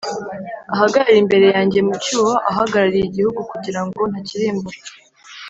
ahagarare imbere yanjye mu cyuho ahagarariye igihugu kugira ngo ntakirimbura,